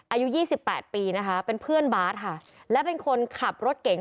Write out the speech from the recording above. อายุยี่สิบแปดปีนะคะเป็นเพื่อนบาร์ทค่ะและเป็นคนขับรถเก๋ง